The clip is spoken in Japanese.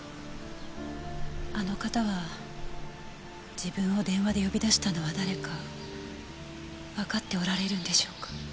あの方は自分を電話で呼び出したのは誰かわかっておられるんでしょうか？